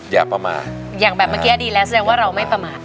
อย่างแบบเมื่อกี้อดีตแล้วแสดงว่าเราไม่ประมาท